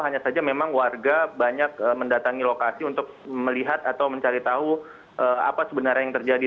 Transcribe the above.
hanya saja memang warga banyak mendatangi lokasi untuk melihat atau mencari tahu apa sebenarnya yang terjadi